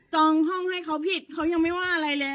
องห้องให้เขาผิดเขายังไม่ว่าอะไรเลย